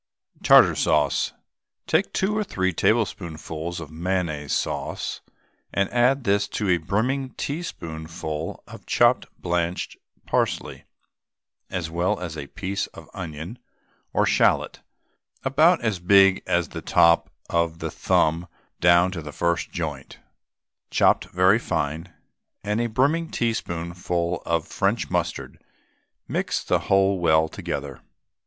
TARTAR SAUCE. Take two or three tablespoonfuls of mayonnaise sauce, and add to this a brimming teaspoonful of chopped blanched parsley, as well as a piece of onion or shallot about as big as the top of the thumb down to the first joint, chopped very fine, and a brimming teaspoonful of French mustard. Mix the whole well together.